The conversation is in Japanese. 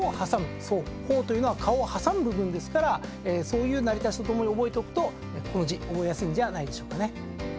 頬は顔を挟む部分ですからそういう成り立ちと共に覚えておくとこの字覚えやすいんじゃないでしょうか。